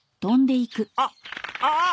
あっああ！